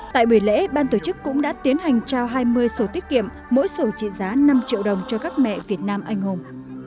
tại buổi lễ ban tổ chức cũng đã tiến hành trao hai mươi sổ tiết kiệm mỗi sổ trị giá năm triệu đồng cho các mẹ việt nam anh hùng